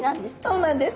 そうなんです。